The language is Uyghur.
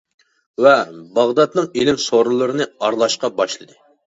ۋە باغدادنىڭ ئىلىم سورۇنلىرىنى ئارىلاشقا باشلىدى.